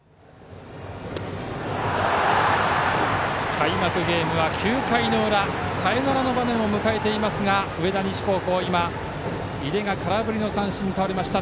開幕ゲームは９回の裏サヨナラの場面を迎えていますが上田西高校、井出が空振りの三振に倒れました。